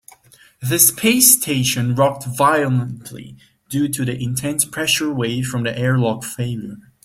The space station rocked violently due to the intense pressure wave from the airlock failure.